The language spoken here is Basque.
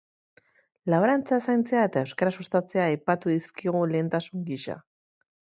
Laborantza zaintzea eta euskara sustatzea aipatu dizkigu lehentasun gisa.